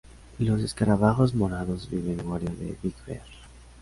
Los Escarabajos Morados viven en la guarida de Big Bear.